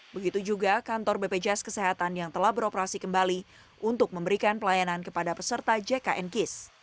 begitu juga kantor bpjs kesehatan yang telah beroperasi kembali untuk memberikan pelayanan kepada peserta jkn kis